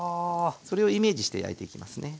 それをイメージして焼いていきますね。